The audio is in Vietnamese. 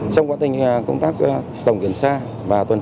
với mục đích đẩy lùi những hành vi vi phạm luật giao thông